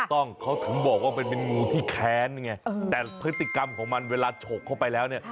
ต้องเขาถึงบอกว่ามันเป็นงูที่แค้นไงแต่พฤติกรรมของมันเวลาฉกเข้าไปแล้วเนี่ย